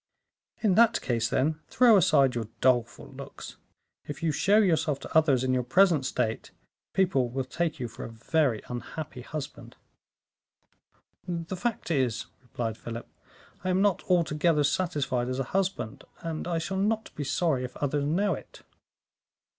"In that case, then, throw aside your doleful looks. If you show yourself to others in your present state, people will take you for a very unhappy husband." "The fact is," replied Philip, "I am not altogether satisfied as a husband, and I shall not be sorry if others know it."